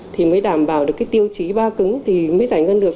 thì mới đảm bảo được cái tiêu chí ba cứng thì mới giải ngân được